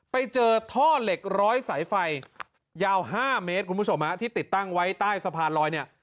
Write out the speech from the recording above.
ไปเจอท่อเหล็กร้อยสายไฟยาว๕เมตรคุณผู้ชมฮะที่ติดตั้งไว้ใต้สะพานลอยเนี่ย